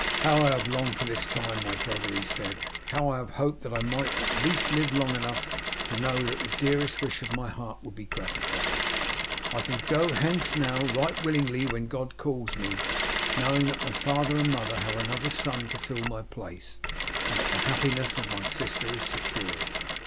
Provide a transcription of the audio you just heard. "How I have longed for this time, my brother," he said. "How I have hoped that I might at least live long enough to know that the dearest wish of my heart would be gratified. I can go hence now right willingly when God calls me, knowing that my father and mother have another son to fill my place, and that the happiness of my sister is secured."